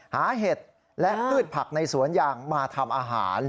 เห็ดและพืชผักในสวนยางมาทำอาหาร